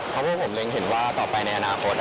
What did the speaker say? เพราะฉะนั้นผมเห็นว่าต่อไปในอนาคต